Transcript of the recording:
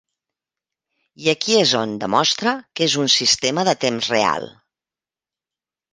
I aquí és on demostra que és un Sistema de Temps Real.